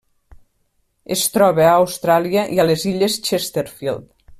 Es troba a Austràlia i les Illes Chesterfield.